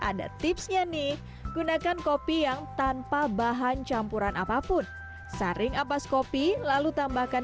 ada tipsnya nih gunakan kopi yang tanpa bahan campuran apapun saring ampas kopi lalu tambahkan